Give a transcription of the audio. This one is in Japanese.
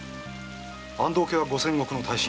安藤家は五千石の大身。